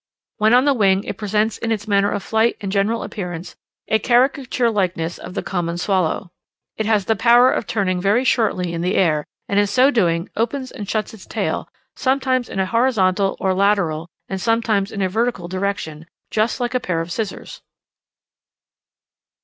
When on the wing it presents in its manner of flight and general appearance a caricature likeness of the common swallow. It has the power of turning very shortly in the air, and in so doing opens and shuts its tail, sometimes in a horizontal or lateral and sometimes in a vertical direction, just like a pair of scissors.